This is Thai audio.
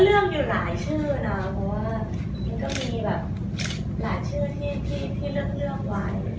ก็เลือกอยู่หลายชื่อน่ะเพราะว่ามันก็มีหลายชื่อที่เลือกเรื่องไว